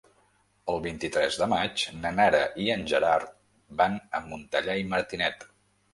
El vint-i-tres de maig na Nara i en Gerard van a Montellà i Martinet.